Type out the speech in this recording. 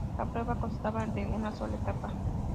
La prueba constaba de una sola etapa.